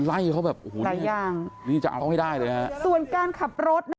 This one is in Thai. ไล่เขาแบบโอ้โฮนี่จะเอาให้ได้เลยนะครับ